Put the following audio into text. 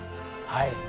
はい。